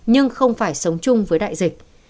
nhưng không phải sống chung với đại dịch